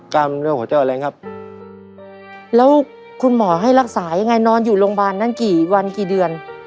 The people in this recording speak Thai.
เรื่องหัวใจแรงครับแล้วคุณหมอให้รักษายังไงนอนอยู่โรงพยาบาลนั้นกี่วันกี่เดือน